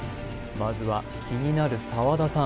まずは気になる澤田さん